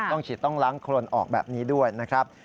ต้องฉีดต้องล้างโครนออกแบบนี้ด้วยนะครับ